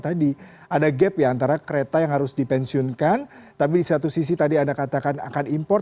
jadi ada gap ya antara kereta yang harus dipensiunkan tapi di satu sisi tadi anda katakan akan impor